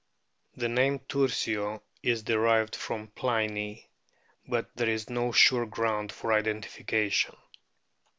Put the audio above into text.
The name tursio is derived from Pliny, but there is no sure ground for identification.